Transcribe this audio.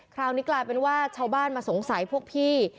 คราวนี้กลายเป็นว่าชาวบ้านมาสงสัยพวกพี่